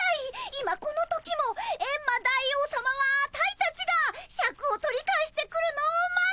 今この時もエンマ大王さまはアタイたちがシャクを取り返してくるのを待ってるんだ！